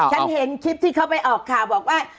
ฉันเห็นคลิปที่เขาไปออกข่าวบอกว่า